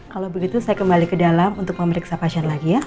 kalau begitu saya kembali ke dalam untuk memeriksa pasien lagi ya